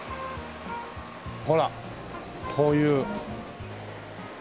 ほらこういう。